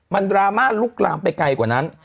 มันดราม่าลุกลามไปไกลกว่านั้น